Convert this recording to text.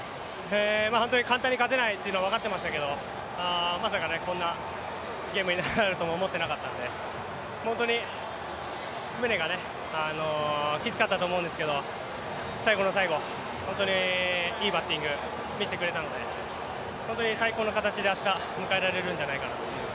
本当に簡単に勝てないというのは分かってましたけどまさかこんなゲームになるとは思ってなかったので、本当にムネがきつかったと思うので最後の最後、本当にいいバッティング見せてくれたんで本当に最高の形で明日迎えられるんじゃないかと。